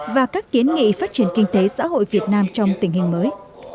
và các kiến nghị phát triển kinh tế xã hội việt nam trong tình hình mới